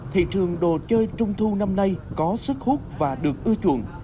thị trường đồ chơi trung thu năm nay có sức hút và được ưa chuộng